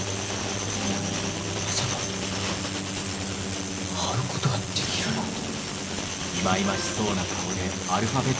まさか会うことができるらあて。